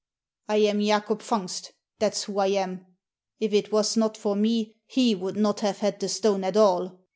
" I am Jacob Fungst, that's who I am. If it was not for me he would not have had the stone at all.